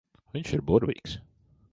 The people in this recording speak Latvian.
Viņš ir burvīgs.